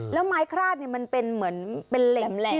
แล้วไม้คราดมันเป็นเหมือนเป็นเหลมแหละ